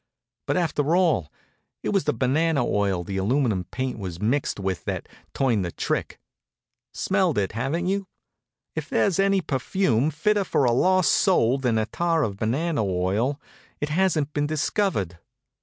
But, after all, it was the banana oil the aluminum paint was mixed with that turned the trick. Smelled it, haven't you? If there's any perfume fitter for a lost soul than attar of banana oil, it hasn't been discovered.